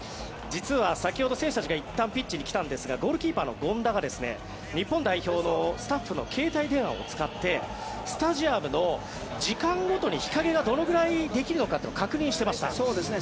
実は、先ほど選手たちがいったんピッチに来たんですがゴールキーパーの権田が日本代表のスタッフの携帯電話を使ってスタジアムの時間ごとに日陰がどれくらいできるのか確認していました。